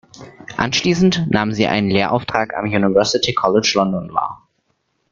Anschließend nahm sie einen Lehrauftrag am University College London wahr.